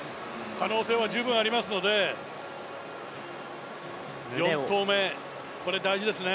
可能性は十分ありますので、４投目、これ大事ですね。